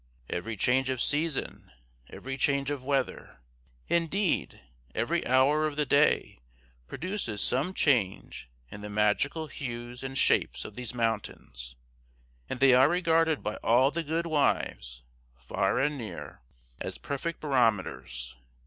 Every change of season, every change of weather, indeed, every hour of the day produces some change in the magical hues and shapes of these mountains; and they are regarded by all the good wives, far and near, as perfect barometers.